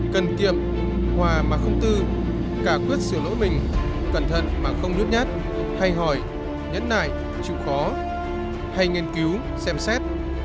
cần kiệm hòa mà không tư cả quyết sửa lỗi mình cẩn thận mà không nhút nhát hay hỏi nhẫn nại chịu khó hay nghiên cứu xem xét